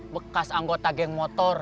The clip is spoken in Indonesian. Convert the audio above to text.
bekas anggota geng motor